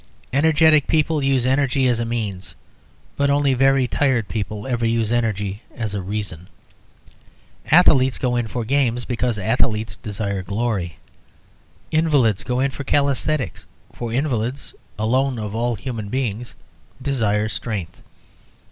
Energetic people use energy as a means, but only very tired people ever use energy as a reason. Athletes go in for games, because athletes desire glory. Invalids go in for calisthenics; for invalids (alone of all human beings) desire strength.